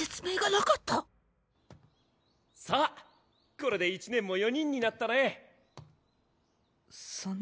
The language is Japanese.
さあこれで一年も四人になったね。